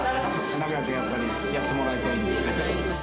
長くやっぱり、やってもらいたい。